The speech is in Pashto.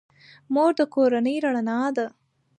مور د کورنۍ رڼا ده.